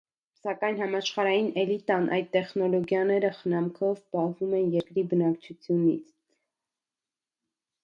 Սակայն համաշխարհային էլիտան այդ տեխնոլոգիաները խնամքով պահվում են երկրի բնակչությունից։